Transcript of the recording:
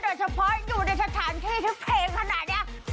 เฉพาะอยู่ในสถานที่ทุกเพลงขนาดนี้